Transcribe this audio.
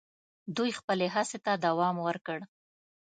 دوی خپلي هڅي ته دوم ورکړ.